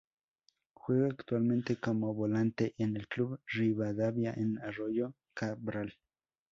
Juega actualmente como volante en el Club Rivadavia de Arroyo Cabral.